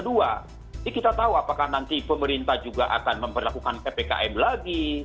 jadi kita tahu apakah nanti pemerintah juga akan memperlakukan ppkm lagi